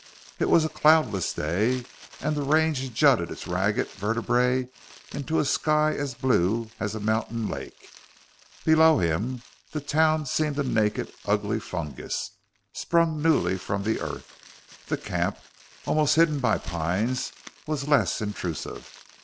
It was a cloudless day, and the range jutted its ragged vertebrae into a sky as blue as a mountain lake. Below him, the town seemed a naked, ugly fungus sprung newly from the earth. The camp, almost hidden by pines, was less intrusive.